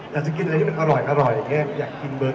อยากกินเบอร์เกอร์อย่างงี้